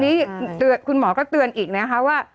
นี่คุณหมอก็เตือนอีกนะคะว่า